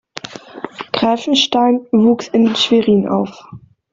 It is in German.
Gräfenstein wuchs in Schwerin auf.